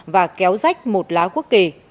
và kéo rách một lá quốc kỳ